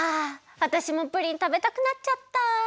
わたしもプリンたべたくなっちゃった！